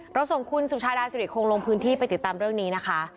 ส่งคุณสุชาดาสิริคงลงพื้นที่ไปติดตามเรื่องนี้นะคะ